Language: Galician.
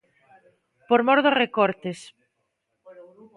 Por mor dos recortes.